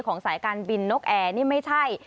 สายการบินนกแอร์นี่ไม่ใช่